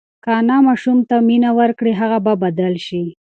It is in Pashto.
که انا ماشوم ته مینه ورکړي، هغه به بدل شي.